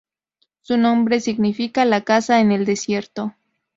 Su nombre significa: "La casa en el desierto".